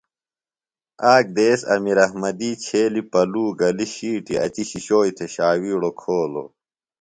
آک دیس امیر احمدی چھیلیۡ پلو گلیۡ شیٹی اچی شِشوئی تھےۡ شاوِیڑوۡ کھولوۡ۔